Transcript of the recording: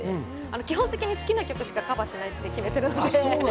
基本的に好きな曲しかカバーしないって決めてるので。